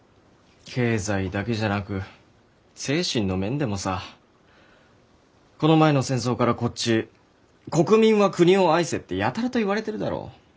経済だけじゃなく精神の面でもさこの前の戦争からこっち「国民は国を愛せ」ってやたらと言われてるだろ？